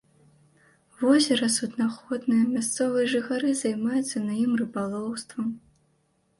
Возера суднаходнае, мясцовыя жыхары займаюцца на ім рыбалоўствам.